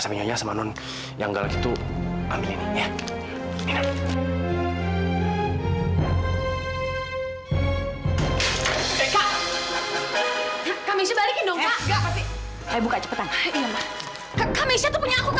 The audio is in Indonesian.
mama lena akan membuktikan